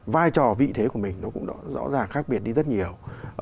vai trò vị thế của mình nó cũng rõ ràng khác biệt đi rất nhiều